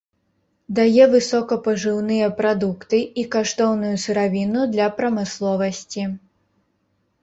Дае высокапажыўныя прадукты і каштоўную сыравіну для прамысловасці.